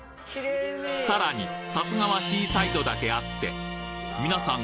さらにさすがはシーサイドだけあって皆さん